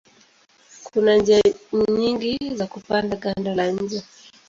Kuna njia nyingi za kupata ganda la nje.